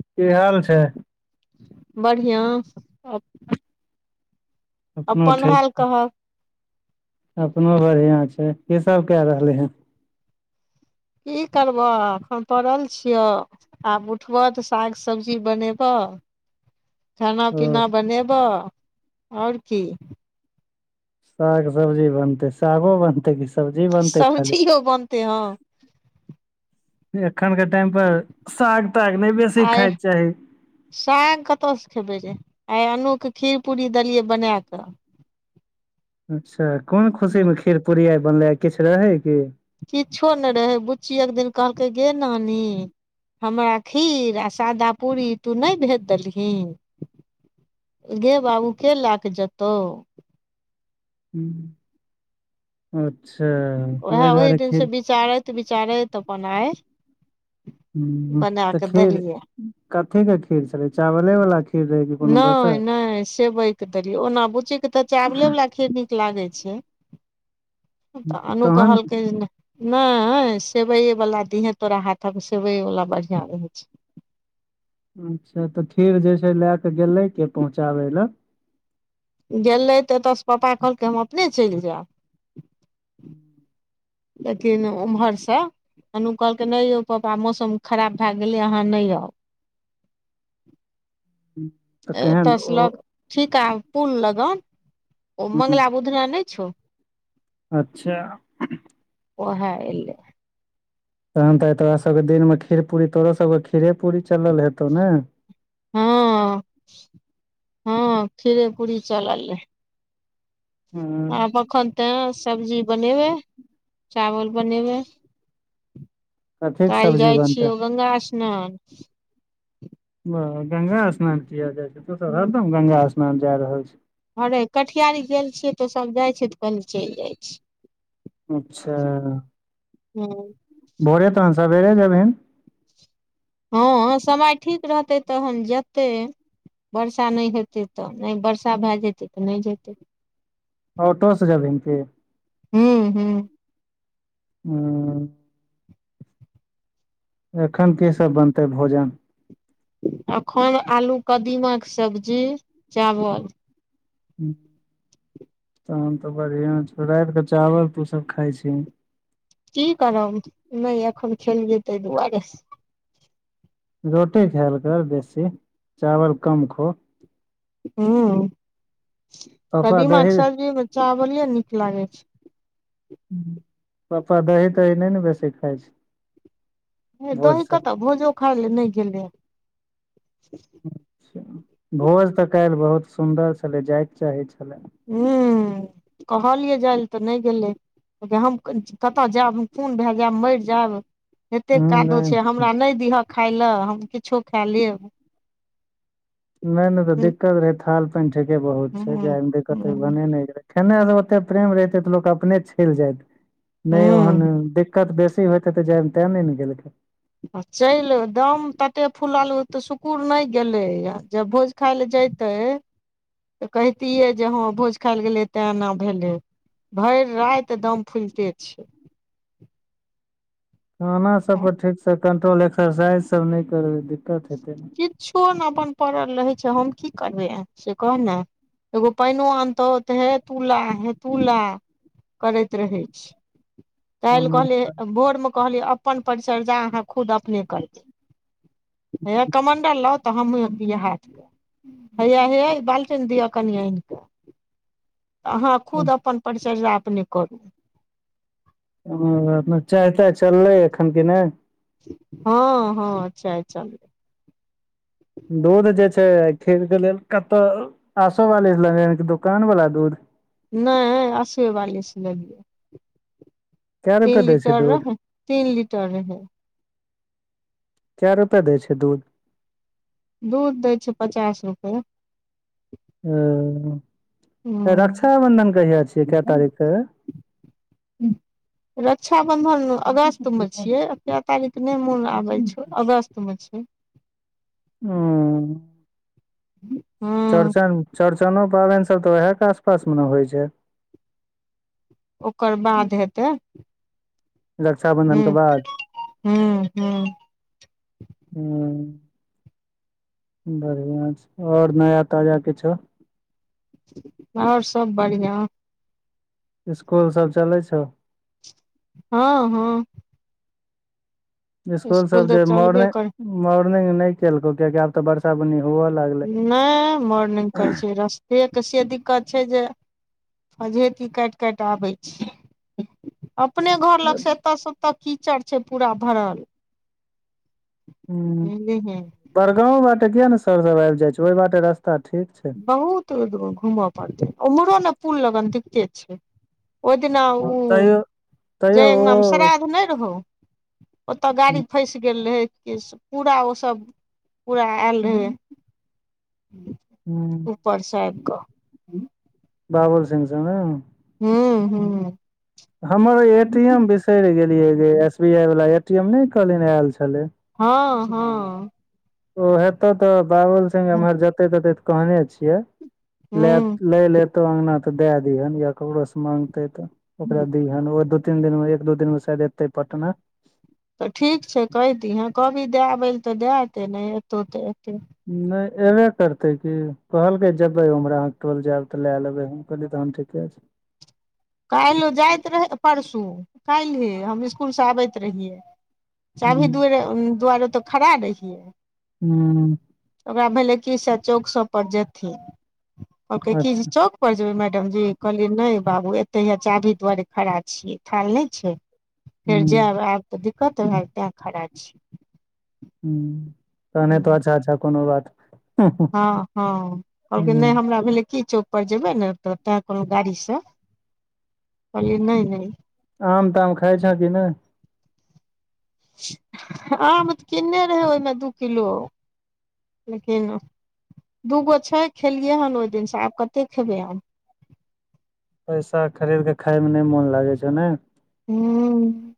कि हाल छै बढ़िया। ओ। अपनो अपन ठीक हाल कहक। अपनो बढ़िया छै की सभ कए रहलै हँ कि करबह एखन पड़ल छियौ आब उठबह तऽ साग सब्जी बनेबह। [inaudible] खाना पीना बनेबह आओर कि साग सब्जी बनतै सागो बनतै कि सब्जी बनतै खाली। सब्जियो बनते हँ एखन के टाइम पर साग ताग नहि बेसी आइ खायके चाही। साग कतऽस खेबै जे आइ अन्नूके खीर पूरी देलियै बना कऽ अच्छा कोन खुशीमे खीर पूड़ी आइ बनलै ह किछु रहै कि किछो नहि रहै बुच्ची एकदिन कहलकै गे नानी। हमरा खीर अ सादा पूरी तू नहि भेज देलही गे बाबू के ला कऽ जेतौ। ह अच्छा। उएह ओहि दुआरे खीर दिनसँ विचारैत विचारैत अपन आय। ह त खीर कथी के खीर छलै चावले वाला खीर रहै कोनो नहि दोसर नहि सेवै के देलियै ओना बुची के त चावले वला खीर नीक लागै छै त अनु तहन कहलकै नहि सेवइए वाला दिहे तोरा हाथक सेवइए वाला बढ़िया रहे छै अच्छा त फेर जे छै लए क गेले के पहुँचाबै लए गेलै तऽ एतयसँ पापा कहलकै हम अपने चलि जायब। हूँ लकिन ओम्हरसँ। अन्नू कहलकै नहि यौ पप्पा मौसम खराब भए गेलै अहाँ नहि आउ। तऽ कहन ओ। ठीका पुल लगन ओ हूँ मंगला बुधना नहि छौ। अच्छा। ओहा हँ एले। तहन त तोरा सभके दिनमे खीर पूरी तोरो सभके खीरे पूरी चल हेतौ ने हँ हँ खीरे पूड़ी चलल रहै। आब अक। एखन ते सब्जी बनेबै चावल बनेबै। कथी के काल्हि सब्जी जाइ बनतै छियौ गंगा स्नान। वाह गंगा स्नान किया जाइ छै तो त हरदम गंगा स्नान जाय रहल छै। हरे कटिहार गेल छियै त सभ जाइत छियै तऽ कहलु चलि जाइ छिय अच्छा। ह भोरे तहन सबेरे जेबैनि। ह समय ठीक रहतै तऽ हन जेतै वर्षा नहि हेतै तऽ नहि वर्षा भए जेतै त नहि जेतै ओटो से जेभीन कि हूँ हूँ ह। एखन कि सभ बनतै भोजन एखन आलू कदीमा के सब्जी चावल तन तऽ बढ़िआ छौ रात के चावल तो सभ खाइ छीह कि करब नहि एखन खेलियय तै दुआरे से रोटी खायल कर बेसी चावल कम खो हू पापा कदीमाके दही सब्जी मे चावले नीक लागै छै। पप्पा दही तही नहि ने बेसी खाइ छै। भोर दही से कऽ तऽ भोजो खाय लए नहि गेलै। अच्छा भोज तऽ काल्हि बहुत सुन्दर छलै जाय के चाहै छलै। हम्म कहलियै जाइ लए तऽ नहि गेलै। कि हम कतय जायब कोन भए जायब मरि जायब। एतेक हूँ कादो नहि छै हमरा नहि दिह खाय लए हम किछो खाए लेब। नहि नहि त हूं दिक्कत रहे थाल पान ठेके बहुत छै जाय मे दिक्कत भने नहि रहे। खेने से ओते प्रेम रहते त लोक अपने चलि जायत ने ओहन हूं दिक्कत बेसी होते तऽ जामे त ने गेलकै चलि दाम तते फुलाल ओ तऽ सुकुुर नहि गेलैए जब भोज खाय लए ज [inaudible] तऽ कहितियै जे हँ भोज खायएल गेलै ते एना भेलै। भरि राति दम फुलिते छैय खाना सभ पर ठीकसँ कंट्रोल एक्सरसाइज सभ नहि करबै दिक्कत हेतै ने। किछो ने अपन पड़ल रहै छै हम कि करबै से कह ने एगो पानिओ आनतहु तऽ हे तूला हे तूला करैत रहै छी। ताहि लऽ कोनो बात कहलियै भोरमे कहलियै अपन परिचर्या अहाँ खुद अपने करबै। हेय कमण्डल लाउ तऽ हमहूँ बि हाथ लऽ हैया हेया बालटन दिआ कनियान के त अहाँ खुद अपन परिचर्या अपने करू। ह त चाय ताय चललै एखन कि नहि? हा हा चाय चललय। दूध जे छै खीर के लेल कतहु आसो बाली लऽ कि दुकान वाला दूध? नहि आसब वाली से लेलिए। कै तीन रुपए दै छै लिटर दूध रहे तीन लिटर है। के रुपैआ दै छै दूध? दूध दै छै पचास रुपे। ओ, हूँ रक्षााबंधन कहिय छियै क तारीख के? हू रक्षाबंधन अगस्त में छिये आ कै तारीख नहि मोन आबे छै अगस्त मे छै। हू हम्म हूं चौड़चन चौड़चनो पाबनि सभ तऽ उएह के आसपासमे ने होइ छै? ओकर बाद हेतै। रक्षाबंधन हूँ के बाद हूँ हूँ हूँ बढ़िया छै आओर नया ताजा किछौ? आओर सब बढ़ियाँ ईस्कूल सब चलै छौ? हँ हँ ईस्कूल स्कूल सब तऽ जे चलबे मोर्निंग कर मोर्निंग नै केलकौ कियकि आब तऽ बरसा बन्नी हु लाग नै मर्निंग करै छियै रस्तेके से दिक्कत छै जे आझेती काटि काटि आबै छै अपने घर लग स एतऽ स ओतऽ कीचड़ छै पूरा भरल। हूँ बुझलिही बड़गांव बाटे किया नै सर सब आबि जाय छौ ओई बाटे रास्ता ठीक छै। बहुतू घूमऽ पड़तै उम्हरो न पुल लगन दिकते छै। ओहि दिना ऊ तैयो तैयो जय अंगनामे ओ श्राद्ध नै रहौ ओतऽ गाड़ी फसि गेल रहै। केशव पूरा ओ सब पूरा आयल रहय। हूँ ऊपरसँ आइब कऽ बाबुल सिंह सँ ने हूं हूं हमर ए टी एम बिसरि गेलियै गई एस बी आई वाला ए टी एम नै कहलिन आयल छलै हँ हँ ओ हेतौ तऽ बाबुल सिंह एमहर जेतै तेतै तऽ कहने छियै लए हूं लै लेतहु अंगना तऽ दए दिहन या ककरोसँ माँगतै तऽ ओकरा दिहन ओ दू तीन दिन मे एक दू दिन मे शायद एतै पटना तऽ ठीक छै कहि दीहै कहबी दएबै ल तऽ दए ऐतै नै एतौ तऽ एतै नै एबे करतै की कहलकै जेबै उमरे आहाँ टोल जायब तऽ लए लेबै हम कहलीयै तहन ठीके छै काल्हि ओ जाइत रहै परसू काल्हे हम इसकुल से आबैत रहिये चाभी हूँ दुअरे दुआरे तऽ खड़ा रहियै हूं ओकरा भेलै की सेह चौक सब पर जेथिन कहलकै की अच्छा चौक उपर जेबै मैडम जी कहलियै नै बाबू एतहि हैया चाभी दुआरे खड़ा छियै थाल नै छै फेर हूँ जायब आब तऽ दिक्कत [unintelligible] तैं खड़ा छी हूँ तहने हेतौ अच्छा अच्छा कोनो बात हँ हँ कहलकै हूँ नै हमरा भेलै की चौक पर जेबैे ने तऽ तैं कहलौं गाड़ी स कहलिय नै नै आम ताम खाइ छँ कि नै आम तऽ किन्ने रहै ओईमे दू किलो लेकिन दूगो छै खेलियै हन ओई दिनसँ आब कते खेबै हम पैसा खरीद कऽ खायमे नै मोन लागै छौ नाय हूँ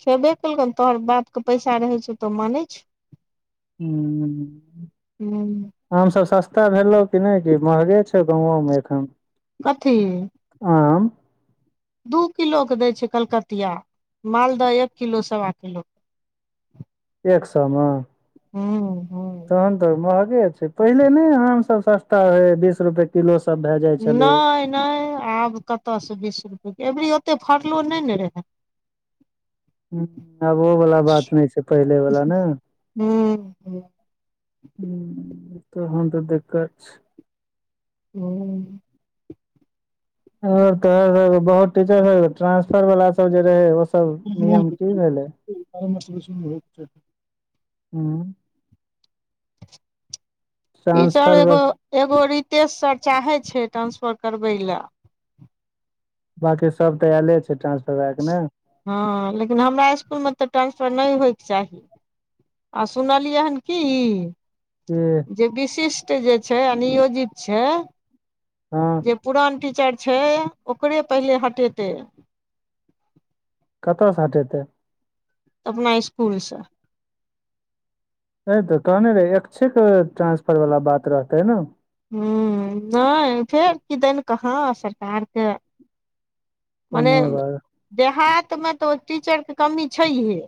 खेबे कलकनि हन तोहर बापके पैसा रहै छौ तो मानै छौ हूँ हूं आम सब सस्ता भेलौ कि नै कि महगे छौ गाँवोमे एखन कथी आम दू किलोके दै छै कलकतिया मालदह एक किलो सवा किलोके एक सए मे ह तहन त महगे छै पहिले ने आम सभ सस्ता रहे बीस रुपए किलो सभ भए जा नहि नहि आब कतयसँ बीस रुपएके अबरी ओते फड़लो नहि ने रहे आब ओ वला बात नहि छै पहिले वला ने हू। तऽ हन तऽ दिक्कत छै हूँ। आओर कहलौं जे बहुत टीचर आर ट्रांसफर वाला सभ जे रहे ओ सभ मस हो हूँ। टीचर ट्रांसफर एगो एगो रितेश सर चाहे छै ट्रांसफर करबे ल बकी सभ तऽ आयले छै ट्रांसफर भएके नय हँ लेकिन हमरा इसकुलमे तऽ ट्रांसफर नहि होइके चाही। आ सुनलियै हन कि हूँ। जे विशिष्ट जे छै नियोजित छै। हँ। जे पुरान टीचर छै ओकरे पहिले हटेतै कतयसँ हटेतै। अपना स्कुलस अ तऽ कहने रहे एक्षिक ट्रांसफर वला बात रहते ने हू नहि फेर किदन कहाँ सरकार के मने कोनो बात देहातमे त ओ टीचरके कमी छैहे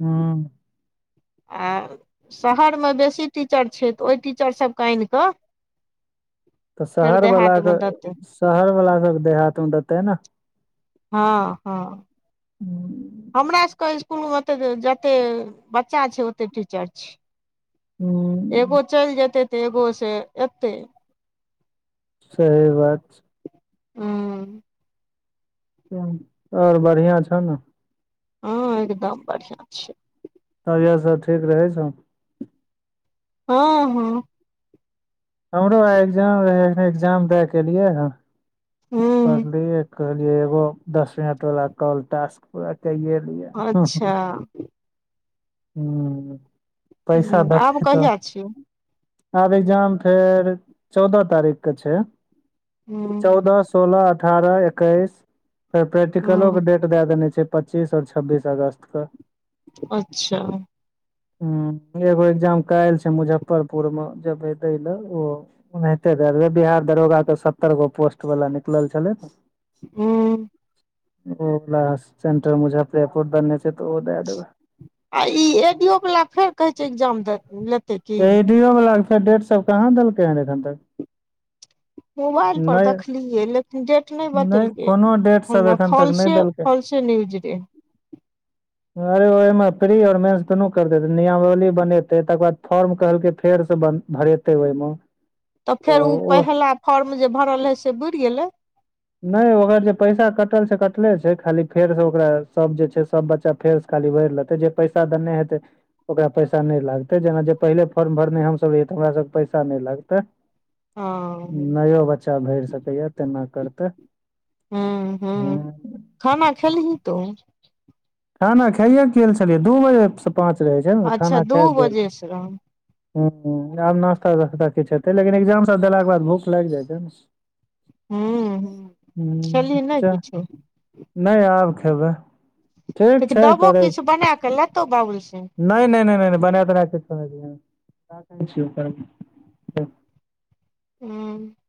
ह आ। शहरमे बेसी टीचर छै तऽ ओहि टीचर सभके आनि क तऽ शहर वला देहातमे कऽ देतै के शहर वला सभ देहात मे देतै ने ह ह हूँ। हमरा सभके स्सकूल मे त जते बच्चा छै ओते टीचर छी हूँ एगो चलि जेते तऽ एगो से एतै। सहि बात। हँ ह आओर बढ़िआ छौ ने हँ एकदम बढ़िआ छै तब इएह सभ ठीक रहै छौ ह ह हमरो आ एग्जाम रहै एग्जाम दए केलियै हँ पलियै कहलियै एगो दस मिनट वला कॉल टासक पूरा कऽ लियै ह। ह पैसा हूँ आब देते त कहिया छियै आब एग्जाम फेर चौदह तारीख के छै। ह चौदह सोलह अठारह एकैस [inaudible] फेर प्रैक्टिकल हँ डेट है देने छै पच्चीस और छब्बीस अगस्त कऽ अच्छ ह एगो एग्जाम काइल छै मुजफ्फरपुर मैं जेबै दय लऽ ओ ओनाहिते तऽ बिहार दरोगाके सत्तर गो पोस्ट वला निकलल छलै ने हू ओहो वला सेंटर मुजफ्फरपुर देने छै तऽओ दै दबै आ ई ए डी ओ वला फेर कहे छै एग्जाम लेतै की [inaudible] ए डि इ यो वला कऽ फेर डेढ़ सब कहाँ देलकै हन एखन तक मोबाइल पर नहि देखलियै लेकिन डेट नै नहि बतेलकै कोनो डेट हओ सब ना एखन तक नहि फलसे देलकै फलसे न्यूज रहे है ओमे प्री और मेंस दुनू करतेे नियमावली बनेते तकर बाद फॉर्म कहलके फेर से भरेते तै ओइम तऽ फेर उ पहिला फॉर्म जे भरल रहै से बुर गेलै नै ओकर जे पैसा कटल छै कटले छै खाली फेर से ओकरा सब जे छै सब बच्चा फेरसँ खाली भैर लेतै जे पैसा देने हेतै ओकरा पैसा नै लागते जेना जे पहिले फॉर्म भरने हम सब रहियै तऽ हमरा सब कऽ पैसा नै लागते हँ [inaudible] नयो बच्चा भैर सकैए तेना करत [inaudible] हू हू खाना खेलही तु खाना खाइए कऽ गेल छलियै दू बजेसँ पाँच रहै छै न तऽ अच्छा खाना दू खै कऽ गेल बजे से रह हूँ हू आब नास्ता तास्ता किछ हेतै लेकिन एग्जाम सब देला कऽ बाद भूख लाइग जाइ छै न हूँ [inaudible] खेलही हू नहि च किछो [inaudible] नै आब खेबै ठीक छै देबो किछ बना कऽ लेतो बाबूल सिंह नै नै नै नै नै बना तना कऽ किछो नै दिहैन [inaudible] हू